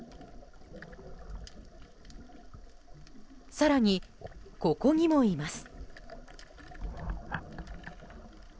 更に、ここにもいます。